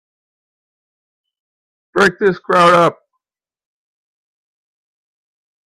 Break this crowd up!